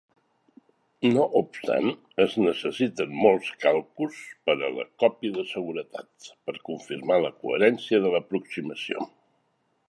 No obstant, es necessiten molts càlculs pera a la còpia de seguretat, per confirmar la coherència de l"aproximació.